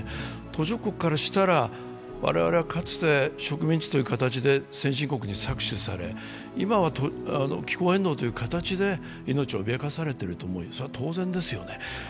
途上国からしたら、我々はかつて植民地という形で先進国に搾取され、今は気候変動という形で命を脅かされてるという思いは当然ですよね。